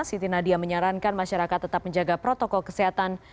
siti nadia menyarankan masyarakat tetap menjaga protokol kesehatan